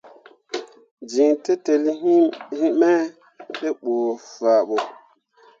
Jin tǝtǝlli me tevbu fah ɓo.